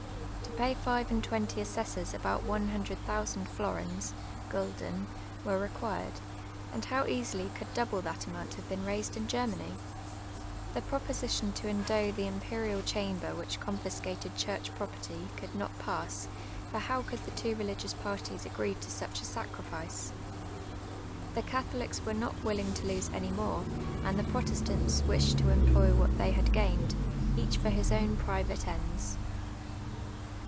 To pay five and tvventy assessors about one hundi ed thousand florins {gulden) were required, and how easily could double that amount have been raised in Germany ? The proposition to endow the Im perial Chamber with confiscated chm'ch property could not pass, for how could the two religious parties agree to such a sacrifice ? The Catholics were not willing to lose any more, and the Protestants wished to employ what they had gained, each for his own private ends.